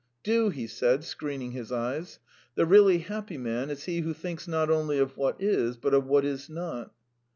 "Do," he said, screening his eyes. "The really happy man is he who thinks not only of what is, but of what is not."